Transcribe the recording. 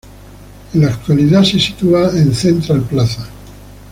En la actualidad se sitúa en Central Plaza.